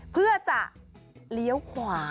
เพื่อจะเลี้ยวขวา